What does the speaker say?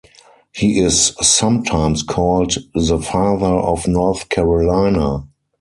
He is sometimes called the "father of North Carolina".